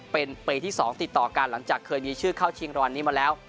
เป็นปีที่๒ติดต่อกันหลังจากเคยมีชื่อเข้าชิงรางวัลนี้มาแล้ว